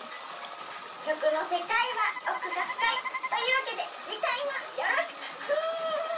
しょくのせかいはおくがふかい！というわけでじかいもよろしくくっ！